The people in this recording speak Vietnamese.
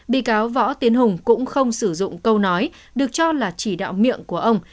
bị cáo võ tiến hùng cũng không sử dụng câu nói được cho là chỉ đạo miệng của ông